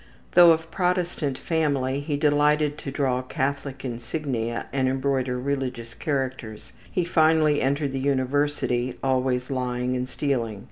Though of Protestant family, he delighted to draw Catholic insignia and embroider religious characters. He finally entered the university, always lying and stealing.